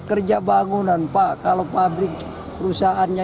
kerja bangunan pak kalau pabrik perusahaannya